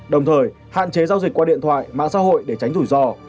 đồng thời hạn chế giao dịch qua điện thoại mạng xã hội để tránh rủi ro